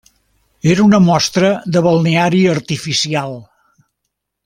Era una mostra de balneari artificial.